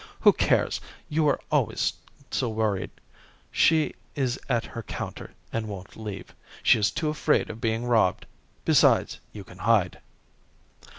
"Who cares, you are always so worried. She is at her counter and won't leave. She is too afraid of being robbed. Besides, you can hide."